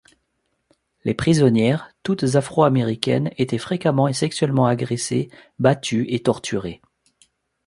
Les prisonnières, toutes afro-américaines, étaient fréquemment et sexuellement agressées, battues et torturées.